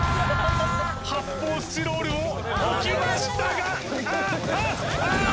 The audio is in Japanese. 発泡スチロールを置きましたがあっああ